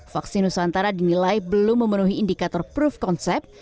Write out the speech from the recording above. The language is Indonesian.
vaksin nusantara dinilai belum memenuhi indikator proof concept